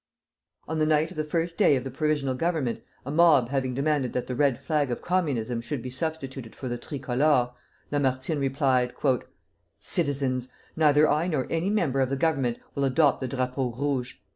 On the night of the first day of the Provisional Government, a mob having demanded that the red flag of Communism should be substituted for the tricolor, Lamartine replied, "Citizens! neither I nor any member of the Government will adopt the Drapeau Rouge.